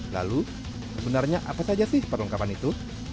lalu sebenarnya apa saja sih perlengkapan itu